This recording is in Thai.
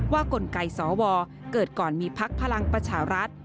กลไกสวเกิดก่อนมีพักพลังประชารัฐ